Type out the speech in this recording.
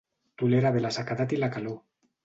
Tolera bé la sequedat i la calor.